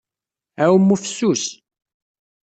Aɛumu fessus.